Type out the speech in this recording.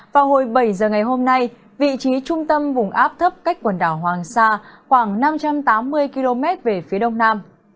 vào hồi bảy giờ ngày hôm nay vị trí trung tâm vùng áp thấp cách quần đảo hoàng sa khoảng năm trăm tám mươi km về phía đông nam